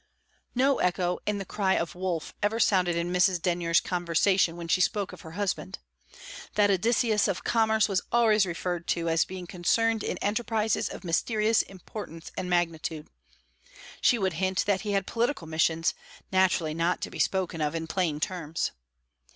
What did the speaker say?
No echo of the cry of "Wolf!" ever sounded in Mrs. Denyer's conversation when she spoke of her husband. That Odysseus of commerce was always referred to as being concerned in enterprises of mysterious importance and magnitude; she would hint that he had political missions, naturally not to be spoken of in plain terms.